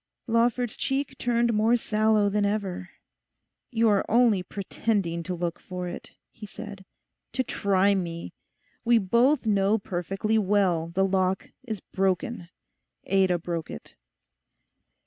Lawford's cheek turned more sallow than ever. 'You are only pretending to look for it,' he said, 'to try me. We both know perfectly well the lock is broken. Ada broke it.